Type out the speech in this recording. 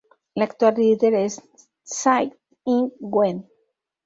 La actual líder es Tsai Ing-wen.